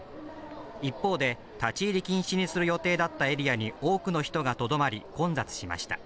一方で、立ち入り禁止にする予定だったエリアに多くの人がとどまり、混雑しました。